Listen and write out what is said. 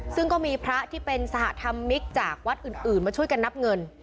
ซึ่งก็มีพระที่เป็นสหธรรมมิกจากวัดอื่นมาช่วยกันนับเงิน